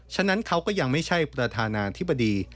ฉะนั้นเขาก็ยังไม่ใช่ประธานาธิบดี